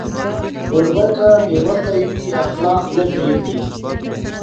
کوربه که بې وسی وي، اخلاق نه پرېږدي.